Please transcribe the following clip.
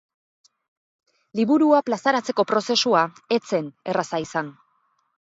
Liburua plazaratzeko prozesua ez zen erraza izan.